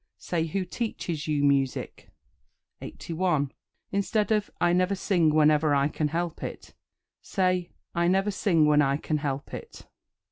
say "Who teaches you music?" 81. Instead of "I never sing whenever I can help it," say "I never sing when I can help it."